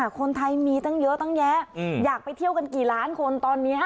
คนไทยมีตั้งเยอะตั้งแยะอยากไปเที่ยวกันกี่ล้านคนตอนนี้